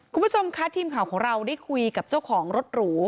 คุณผู้ชมคะทีมข่าวของเราได้คุยกับเจ้าของรถหรู